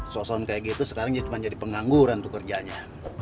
soal soal kayak gitu sekarang jadi pengangguran tuh kerjanya